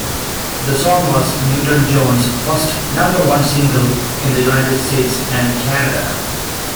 The song was Newton-John's first number-one single in the United States and Canada.